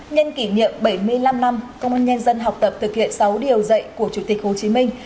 nhân kỷ niệm bảy mươi năm năm công an nhân dân học tập thực hiện sáu điều dạy của chủ tịch hồ chí minh